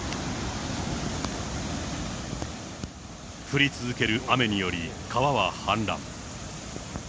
降り続ける雨により、川は氾濫。